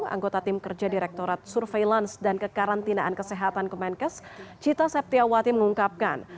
anggota tim kerja direktorat surveillance dan kekarantinaan kesehatan kemenkes cita septiawati mengungkapkan